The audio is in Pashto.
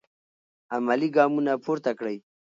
عملي ګامونه پورته کړئ.